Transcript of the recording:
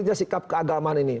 isinya sikap keagamaan ini